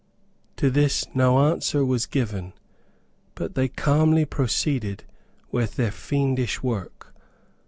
To this no answer was given, but they calmly proceeded with their fiendish work.